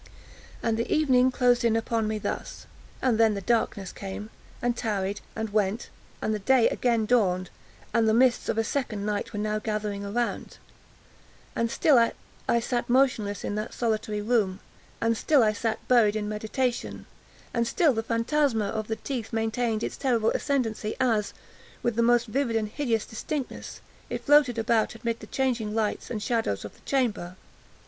And the evening closed in upon me thus—and then the darkness came, and tarried, and went—and the day again dawned—and the mists of a second night were now gathering around—and still I sat motionless in that solitary room—and still I sat buried in meditation—and still the phantasma of the teeth maintained its terrible ascendancy, as, with the most vivid hideous distinctness, it floated about amid the changing lights and shadows of the chamber.